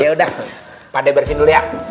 yaudah padel bersihin dulu ya